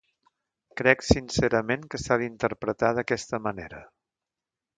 Crec sincerament que s’ha d’interpretar d’aquesta manera.